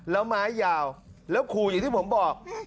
แล้วไม้ยาวแล้วขู่อย่างที่ผมบอก